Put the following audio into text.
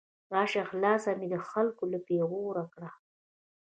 راشه خلاصه مې د خلګو له پیغور کړه